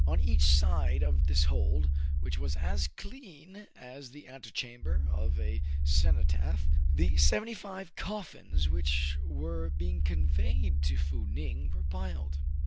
On each side of this hold, which was as clean as the antechamber of a cenotaph, the seventy five coffins which were being conveyed to Fou Ning were piled.